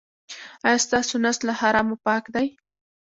ایا ستاسو نس له حرامو پاک دی؟